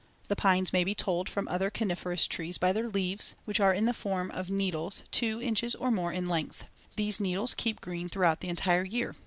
The pines may be told from the other coniferous trees by their leaves, which are in the form of needles two inches or more in length. These needles keep green throughout the entire year.